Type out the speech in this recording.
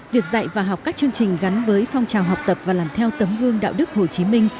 việc dạy và học các chương trình gắn với phong trào học tập và làm theo tấm gương đạo đức hồ chí minh